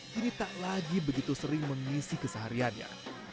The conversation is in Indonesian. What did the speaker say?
kita lagi begitu sering mengisi kesehariannya